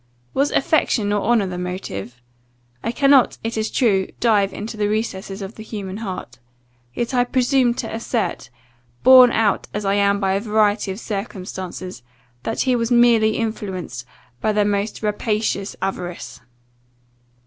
Was affection or honour the motive? I cannot, it is true, dive into the recesses of the human heart yet I presume to assert, [borne out as I am by a variety of circumstances,] that he was merely influenced by the most rapacious avarice.